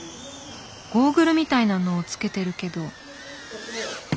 ゴーグルみたいなのをつけてるけど。